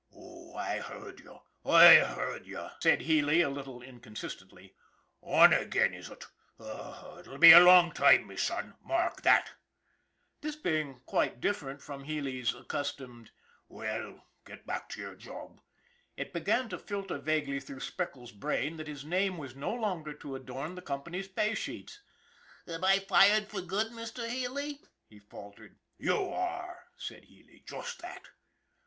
" Oh, I heard you I heard you," said Healy, a little inconsistently. " On ag'in, is ut ? Ut'll be a long toime, me son, mark that !" This being quite different from Healy's accustomed, 310 ON THE IRON AT BIG CLOUD r< Well, git back to yer job/' it began to filter vaguely through Speckles' brain that his name was no longer to adorn the company's pay sheets. " Am I fired for good, Mr. Healy ?" he faltered. "You are!" said Healy. "Just that!"